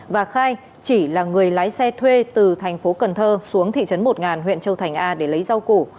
và khai chỉ là người lái xe thuê từ thành phố cần thơ xuống thị trấn một huyện châu thành a để lấy rau củ